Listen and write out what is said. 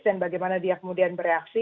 dan bagaimana dia kemudian bereaksi